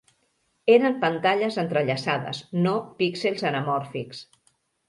Eren pantalles entrellaçades, no píxels anamòrfics.